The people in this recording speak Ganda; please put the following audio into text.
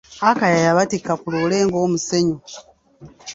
Akaya yabatikka ku loole ng'omusenyu.